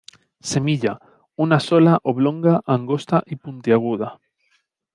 Semilla: una sola, oblonga, angosta y puntiaguda.